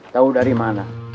tahu dari mana